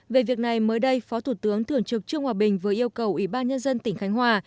về việc này mới đây phó thủ tướng thường trực trung hòa bình vừa yêu cầu ubnd tỉnh khánh hòa